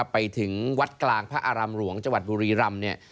ไปถึงวัดกลางพระอารามหลวงจังหวัดบุรีรำเนี่ย